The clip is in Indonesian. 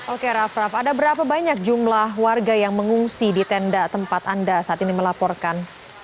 oke raff raff ada berapa banyak jumlah warga yang mengungsi di tenda tempat anda saat ini melaporkan